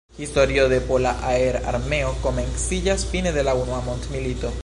Historio de Pola Aer-Armeo komenciĝas fine de la unua mondmilito.